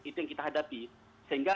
itu yang kita hadapi sehingga